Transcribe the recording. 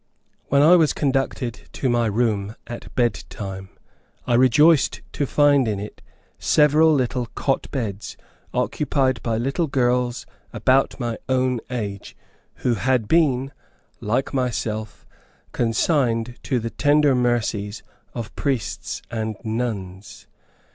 When I was conducted to my room, at bedtime, I rejoiced to find in it several little cot beds, occupied by little girls about my own age, who had been, like myself, consigned to the tender mercies of priests and nuns.